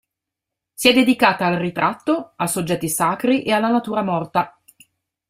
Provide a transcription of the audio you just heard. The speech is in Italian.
Si è dedicata al ritratto, a soggetti sacri e alla natura morta.